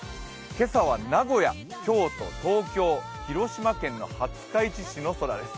今朝は名古屋、京都、東京、広島県の廿日市市の空です。